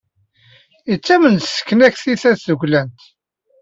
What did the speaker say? Yettamen s tesnakti tasduklant.